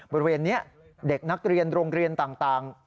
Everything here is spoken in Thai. บริเวณนี้เด็กนักเรียนโรงเรียนต่าง